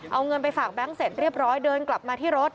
เอาเงินไปฝากแบงค์เสร็จเรียบร้อยเดินกลับมาที่รถ